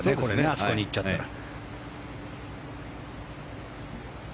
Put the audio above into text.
あそこに行っちゃったら。